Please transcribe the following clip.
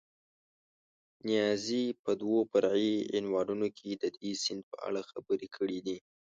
نیازي په دوو فرعي عنوانونو کې د دې سیند په اړه خبرې کړې دي.